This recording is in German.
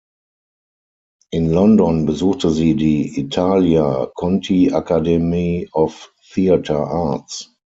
In London besuchte sie die Italia Conti Academy of Theatre Arts.